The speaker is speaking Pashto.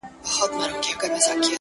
ما دا یو شی زده کړی دی